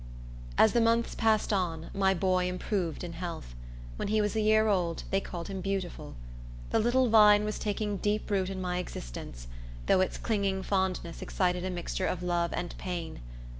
As the months passed on, my boy improved in health. When he was a year old, they called him beautiful. The little vine was taking deep root in my existence, though its clinging fondness excited a mixture of love and pain.